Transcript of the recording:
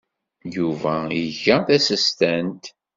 Yuba iga tasestant.